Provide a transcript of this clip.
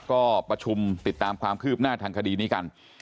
ก็ประชุมติดตามความคืบหน้าทางคดีนี้กัน